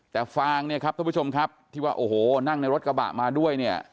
แต่ฟางเนี่ยครับท่านผู้ชมครับที่ว่าโอ้โหนั่งในรถกระบะมาด้วยเนี่ย